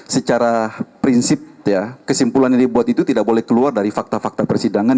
secara prinsip ya kesimpulan yang dibuat itu tidak boleh keluar dari fakta fakta persidangan